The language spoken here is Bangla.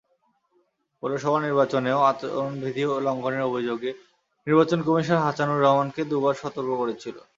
পৌরসভা নির্বাচনেও আচরণবিধি লঙ্ঘনের অভিযোগে নির্বাচন কমিশন হাচানুর রহমানকে দুবার সতর্ক করেছিল।